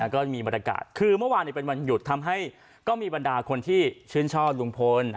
ก็มีบรรยากาศคือเมื่อวานเป็นวันหยุดทำให้ก็มีบรรดาคนที่ชื่นชอบลุงพล